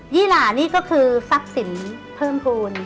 ี่หล่านี่ก็คือทรัพย์สินเพิ่มภูมิ